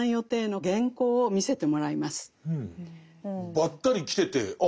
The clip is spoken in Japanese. ばったり来ててああ